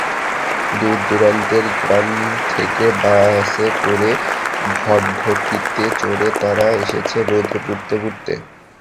দূর-দূরান্তের গ্রাম থেকে বাসে করে, ভটভটিতে চড়ে তারা এসেছে রোদে পুড়তে পুড়তে।